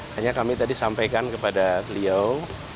hanya kami tadi sampaikan kepada beliau